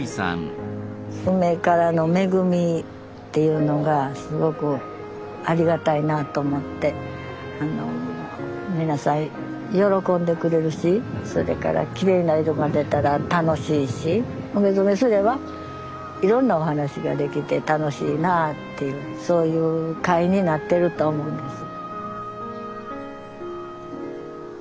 梅からの恵みっていうのがすごくありがたいなと思って皆さん喜んでくれるしそれからきれいな色が出たら楽しいし梅染めすればいろんなお話ができて楽しいなあっていうそういう会になってると思います。